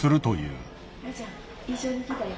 いおちゃん一緒に来たよ